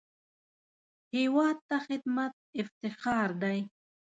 هېواد ته خدمت افتخار دی